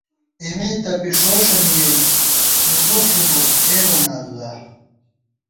اېمے تپی ݭوݭَنی یېل، زوزوخ ݫپوت اے مونہ اللہ